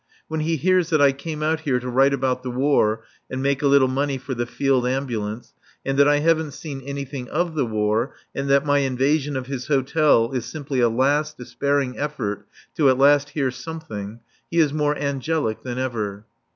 When he hears that I came out here to write about the War and make a little money for the Field Ambulance, and that I haven't seen anything of the War and that my invasion of his hotel is simply a last despairing effort to at least hear something, he is more angelic than ever.